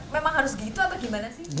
memang harus gitu atau gimana sih